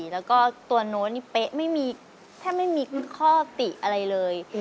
แล้วก็ตัวโน้ตนี่เป๊ะไม่มีแทบไม่มีข้อติอะไรเลย